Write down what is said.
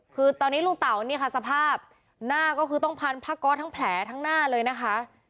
คือตอนนี้ลุงเต๋านี่ค่ะสภาพหน้าก็คือต้องพันผ้าก๊อตทั้งแผลทั้งหน้าเลยนะคะ